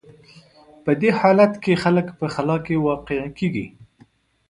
په دې حالت کې خلک په خلا کې واقع کېږي.